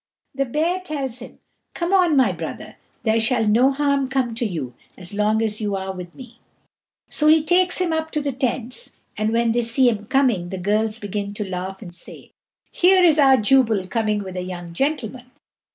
The bear tells him, "Come on, my brother; there shall no harm come to you as long as you are with me." So he takes him up to the tents; and when they see 'em coming, the girls begin to laugh, and say, "Here is our Jubal coming with a young gentleman."